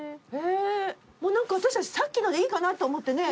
もう何か私たちさっきのでいいかなと思ってね